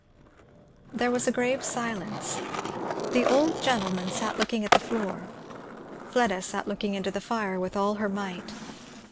There was a grave silence. The old gentleman sat looking on the floor; Fleda sat looking into the fire, with all her might.